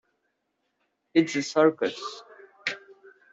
It's a circus!